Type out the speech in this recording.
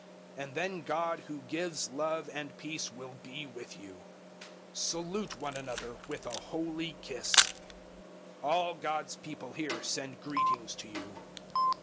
And then God who gives love and peace will be with you. 013:012 Salute one another with a holy kiss. 013:013 All God's people here send greetings to you.